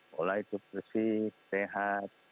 mulai bersih sehat